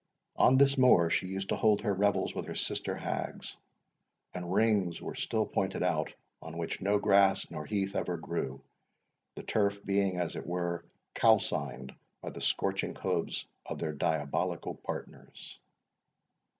On this moor she used to hold her revels with her sister hags; and rings were still pointed out on which no grass nor heath ever grew, the turf being, as it were, calcined by the scorching hoofs of their diabolical partners.